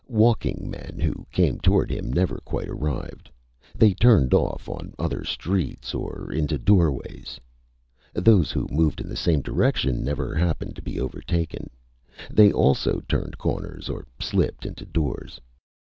Walking men who came toward him never quite arrived. They turned off on other streets or into doorways. Those who moved in the same direction never happened to be overtaken. They also turned corners or slipped into doors.